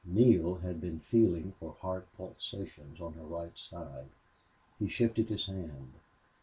Neale had been feeling for heart pulsations on her right side. He shifted his hand.